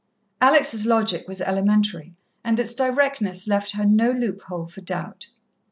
Alex' logic was elementary, and its directness left her no loophole for doubt.